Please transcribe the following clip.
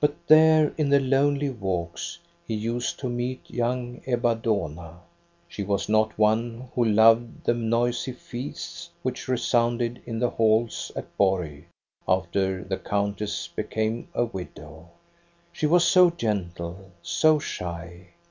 "But there in the lonely walks he used to meet young Ebba Dohna. She was not one who loved the noisy feasts which resoundied in the halls at Borg after the countess became a widow. She was so gentle, so shy.